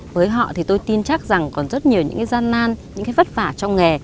với họ thì tôi tin chắc rằng còn rất nhiều những cái gian nan những cái vất vả trong nghề